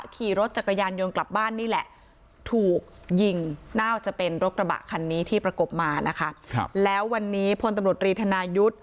กระบะคันนี้ที่ประกบมานะคะครับแล้ววันนี้พลตำรุดรีธนายุทธ์